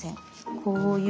こういう。